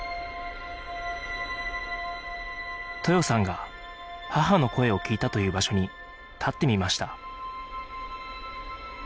豊さんが母の声を聞いたという場所に立ってみました